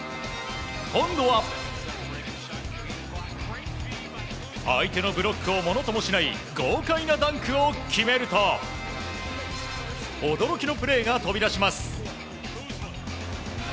今度は、相手のブロックをものともしない豪快なダンクを決めると驚きのプレーが飛び出します。